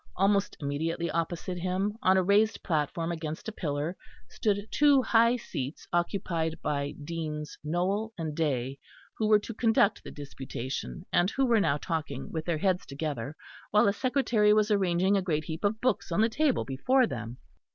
Almost immediately opposite him, on a raised platform against a pillar, stood two high seats occupied by Deans Nowell and Day, who were to conduct the disputation, and who were now talking with their heads together while a secretary was arranging a great heap of books on the table before them.